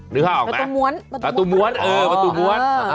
นึกภาพออกไหมประตูมวลประตูมวลประตูมวลเออประตูมวล